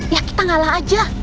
ya kita ngalah aja